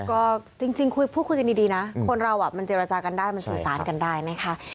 ก็จริงพูดคุยกันดีนะคนเรามันเจรจากันได้มันสื่อสารกันได้นะคะ